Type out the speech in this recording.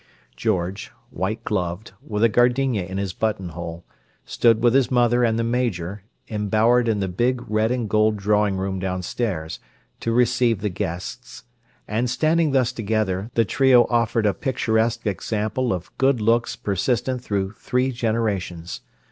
George, white gloved, with a gardenia in his buttonhole, stood with his mother and the Major, embowered in the big red and gold drawing room downstairs, to "receive" the guests; and, standing thus together, the trio offered a picturesque example of good looks persistent through three generations.